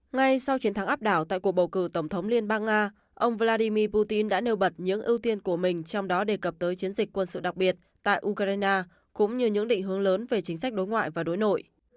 ngay sau chiến thắng áp đảo tại cuộc bầu cử tổng thống liên bang nga ông vladimir putin đã nêu bật những ưu tiên của mình trong đó đề cập tới chiến dịch quân sự đặc biệt tại ukraine cũng như những định hướng lớn về chính sách đối ngoại và đối nội